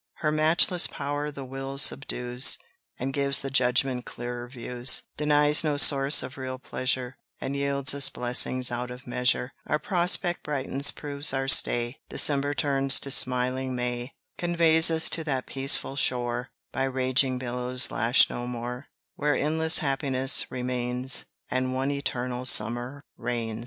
Her matchless power the will subdues, And gives the judgment clearer views: Denies no source of real pleasure, And yields us blessings out of measure; Our prospect brightens, proves our stay, December turns to smiling May; Conveys us to that peaceful shore, By raging billows lashed no more, Where endless happiness remains, And one eternal summer reigns.